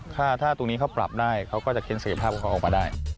ถ้าตรงนี้เขาปรับได้เขาก็จะเค้นศักยภาพของเขาออกมาได้